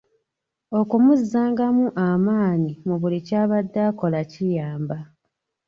Okumuzzangamu amaanyi mu buli kyabaddenga akola kiyamba.